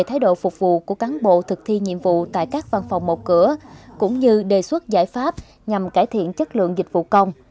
thái độ phục vụ của cán bộ thực thi nhiệm vụ tại các văn phòng một cửa cũng như đề xuất giải pháp nhằm cải thiện chất lượng dịch vụ công